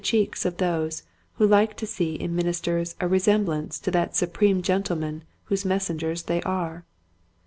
cheeks of those who like to see in min isters a resemblance to that supreme Gentleman whose messengers they are.